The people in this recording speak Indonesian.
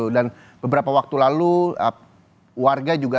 dan beberapa waktu lalu warga juga tidak percaya bahwa memang si pelaku ini mengalami gangguan